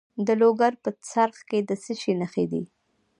د لوګر په څرخ کې د څه شي نښې دي؟